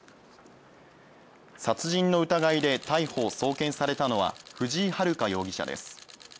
殺人の疑いで逮捕・送検されたのは藤井遥容疑者です。